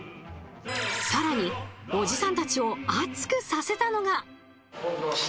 更に、おじさんたちを熱くさせたのが。